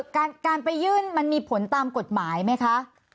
การไปยื่นมันมีผลตามกฎหมายไหมคะ